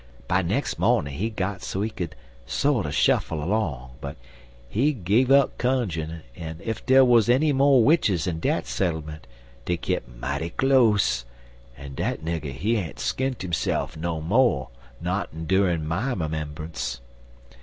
By nex' mawnin' he got so he could sorter shuffle long, but he gun up cunjun, en ef dere wuz enny mo' witches in dat settlement dey kep' mighty close, en dat nigger he ain't skunt hisse'f no mo' not endurin' er my 'membunce."